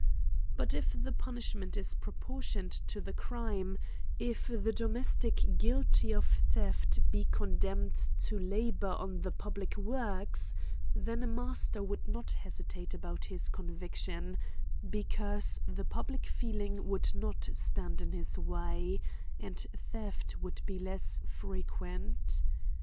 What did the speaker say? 219 But, if the punishment is proportioned to the crime ; if the domestic guilty of theft be condemn ed to labor on the public works ; then, a master would not hesitate about his conviction, because the public feeling would not scand in his way ; and theft would be less frequent.